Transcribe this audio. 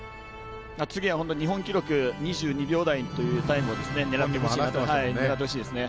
次は日本記録２２秒台というタイムを狙ってほしいですね。